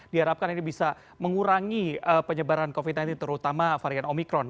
diharapkan ini bisa mengurangi penyebaran covid sembilan belas terutama varian omikron